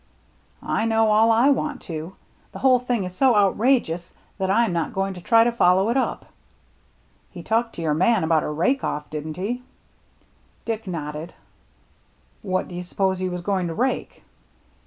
" I know all I want to. The whole thing is so outrageous that I am not going to try to follow it up." " He talked to your man about a rake oflF, didn't he ?" Dick nodded. "What do you suppose he was going to rake?"